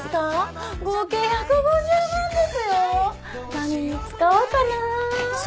何に使おうかな？